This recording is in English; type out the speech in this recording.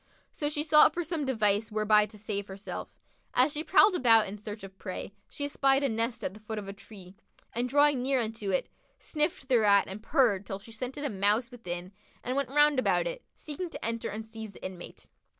So she sought for some device whereby to save herself. As she prowled about in search of prey, she espied a nest at the foot of a tree, and drawing near unto it, sniffed thereat and purred till she scented a Mouse within and went round about it, seeking to enter and seize the inmate.